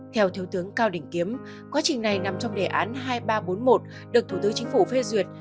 theo thiếu tướng cao đình kiếm quá trình này nằm trong đề án hai nghìn ba trăm bốn mươi một được thủ tướng chính phủ phê duyệt